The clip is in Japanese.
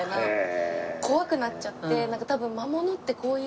怖くなっちゃって。